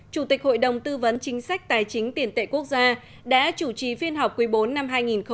chủ tịch hội đồng tư vấn chính sách tài chính tiền tệ quốc gia đã chủ trì phiên họp quý bốn năm hai nghìn hai mươi